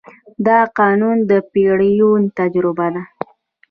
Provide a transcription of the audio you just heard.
دا قانون د پېړیو تجربه ده.